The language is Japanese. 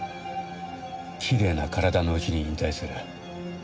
きれいな体のうちに引退する。